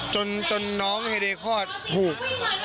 จนน้องเฮเดย์คลอดถูก